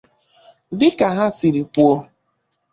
dịka ha siri kwuo